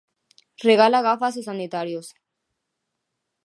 Regala gafas aos sanitarios.